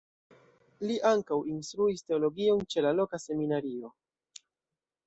Li ankaŭ instruis teologion ĉe la loka seminario.